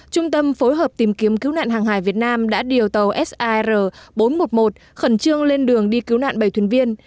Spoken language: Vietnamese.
trung tâm phối hợp tìm kiếm cứu nạn hàng hải việt nam đã điều tàu sar bốn trăm một mươi một khẩn trương lên đường đi cứu nạn bảy thuyền viên